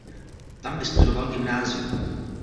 Tam vystudoval gymnázium.